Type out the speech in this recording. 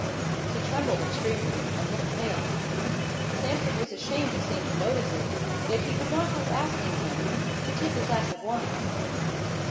He trembled extremely, and looked pale. Sandford was ashamed to seem to notice it, yet he could not help asking him, "To take a glass of wine."